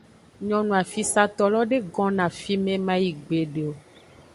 Nyonu afisato lo de gonno afime mayi gbede o.